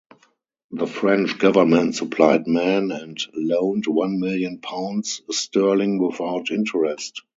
The French government supplied men and loaned one million pounds sterling without interest.